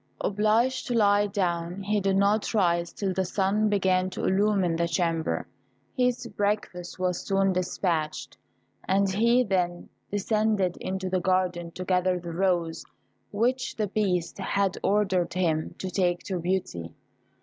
Obliged to lie down, he did not rise till the sun began to illumine the chamber. His breakfast was soon despatched, and he then descended into the garden to gather the rose which the Beast had ordered him to take to Beauty.